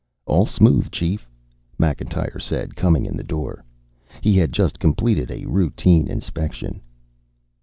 "All smooth, Chief," Macintyre said, coming in the door. He had just completed a routine inspection.